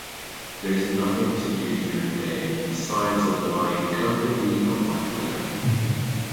There is nothing to do during the day besides of lying comfortably on my pillow.